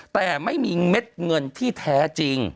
แต่ไม่มีเม็ดเงินที่แท้จริง